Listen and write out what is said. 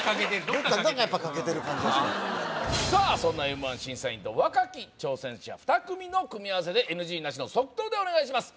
どっかが欠けてる感じがさあそんなＭ−１審査員と若き挑戦者２組の組み合わせでＮＧなしの即答でお願いします